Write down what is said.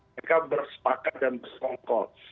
mereka bersepakat dan berkongkol